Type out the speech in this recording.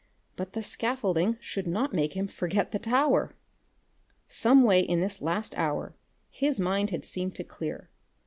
But the scaffolding should not make him forget the tower! Some way in this last hour his mind had seemed to clear.